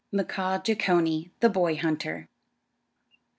MKAAAH JEECHONEE, THE BOY HUNTER.